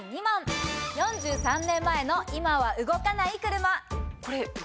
４３年前の今は動かない車。